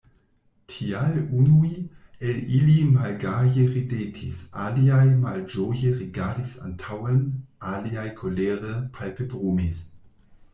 Tial unuj el ili malgaje ridetis, aliaj malĝoje rigardis antaŭen, aliaj kolere palpebrumis.